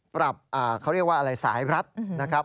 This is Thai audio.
ปรับเขาเรียกว่าอะไรสายรัดนะครับ